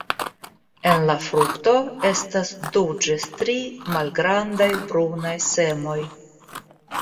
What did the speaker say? En la frukto estas du ĝis tri malgrandaj brunaj semoj.